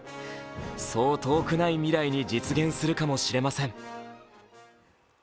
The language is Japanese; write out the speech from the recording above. そう遠くない未来に実現するかもしれません。